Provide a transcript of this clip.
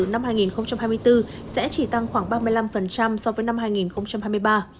năm hai nghìn hai mươi bốn sẽ chỉ tăng khoảng ba mươi năm so với năm hai nghìn hai mươi ba